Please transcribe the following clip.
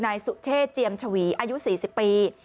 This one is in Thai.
นายสุเชษเจียมชวีอายุ๔๐ปี